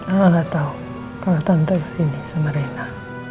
al gak tau kalau tante kesini sama rena